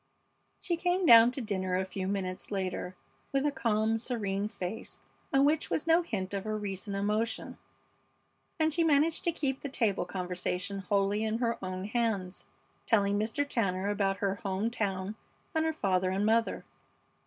She came down to dinner a few minutes later with a calm, serene face, on which was no hint of her recent emotion, and she managed to keep the table conversation wholly in her own hands, telling Mr. Tanner about her home town and her father and mother.